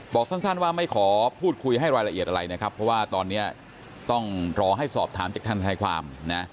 สั้นว่าไม่ขอพูดคุยให้รายละเอียดอะไรนะครับเพราะว่าตอนนี้ต้องรอให้สอบถามจากท่านทนายความนะ